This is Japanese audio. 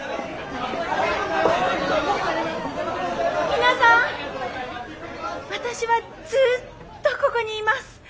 皆さん私はずっとここにいます。